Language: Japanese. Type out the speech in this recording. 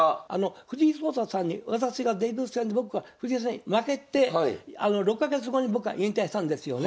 藤井聡太さんに私がデビュー戦で僕が藤井さんに負けて６か月後に僕は引退したんですよね。